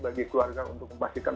bagi keluarga untuk memastikan